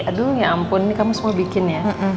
aduh ya ampun ini kamu semua bikin ya